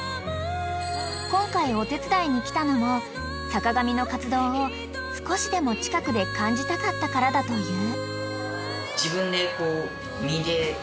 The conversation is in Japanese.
［今回お手伝いに来たのも坂上の活動を少しでも近くで感じたかったからだという］